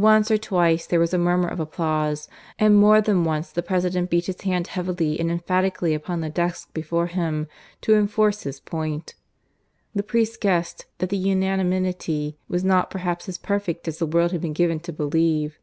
Once or twice there was a murmur of applause, and more than once the President beat his hand heavily and emphatically upon the desk before him to enforce his point. The priest guessed that the unanimity was not perhaps as perfect as the world had been given to believe.